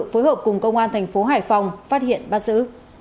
phối hợp cùng công an tp hải phòng phát hiện bắt giữ